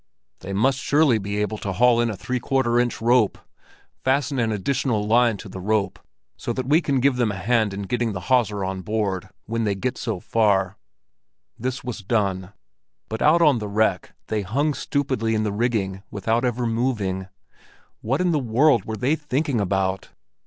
"They must surely be able to haul in a three quarter inch rope! Fasten an additional line to the rope, so that we can give them a hand in getting the hawser on board—when they get so far." This was done. But out on the wreck they hung stupidly in the rigging without ever moving; what in the world were they thinking about?